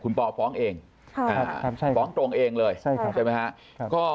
คุณปอฟ้องเองใช่ครับฟ้องตรงเองเลยใช่ครับ